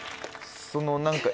その何か。